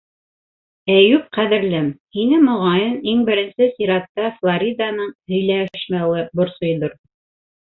Әйүп ҡәҙерлем! һине, моғайын, иң беренсе сиратта Флориданың һөйләшмәүе борсойҙор.